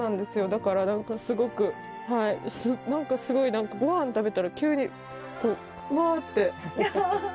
だから何かすごく何かすごい何かごはん食べたら急にうわって。